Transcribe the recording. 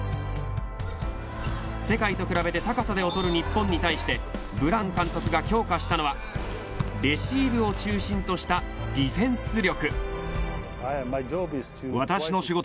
世界と比べて高さで劣る日本に対してブラン監督が強化したのはレシーブを中心としたディフェンス力。